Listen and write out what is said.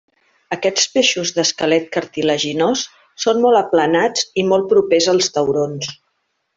Aquests peixos d'esquelet cartilaginós són molt aplanats i molt propers als taurons.